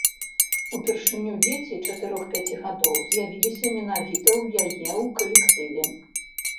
Упершыню дзеці чатырох-пяці гадоў з'явіліся менавіта ў яе ў калектыве.